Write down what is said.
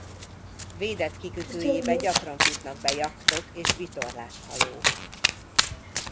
Védett kikötőjébe gyakran futnak be jachtok és vitorlás hajók.